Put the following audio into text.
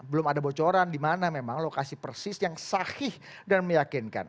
belum ada bocoran di mana memang lokasi persis yang sahih dan meyakinkan